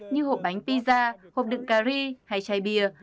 như hộp bánh pizza hộp đựng curry hay chai bia